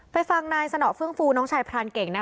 ฟังนายสนอเฟื่องฟูน้องชายพรานเก่งนะคะ